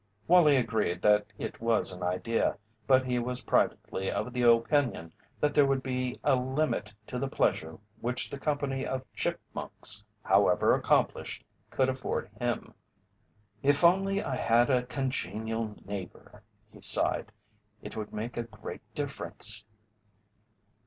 Wallie agreed that it was an idea, but he was privately of the opinion that there would be a limit to the pleasure which the company of chipmunks, however accomplished, could afford him. "If only I had a congenial neighbour," he sighed, "it would make a great difference."